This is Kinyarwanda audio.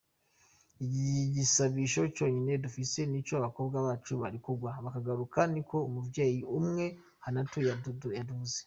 "Igisabisho conyene dufise nuko abakobwa bacu borekugwa bakagaruka," niko umuvyeyi umwe, Hannatu Daudu yavuze.